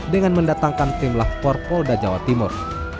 dengan mendatangkan tim lafor polda jawa timur